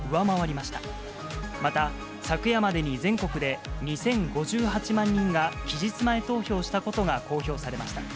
また、昨夜までに全国で２０５８万人が期日前投票したことが公表されました。